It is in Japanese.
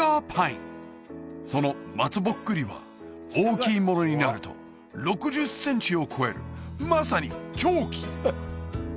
そのまつぼっくりは大きいものになると６０センチを超えるまさに凶器！